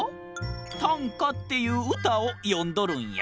たんかっていううたをよんどるんや。